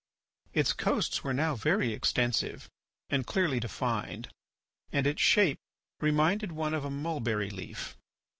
Its coasts were now very extensive and clearly defined and its shape reminded one of a mulberry leaf.